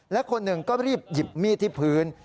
และคนหนึ่งก็รีบหยิบมีดที่พื้น